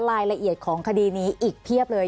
รายละเอียดของคดีนี้อีกเพียบเลย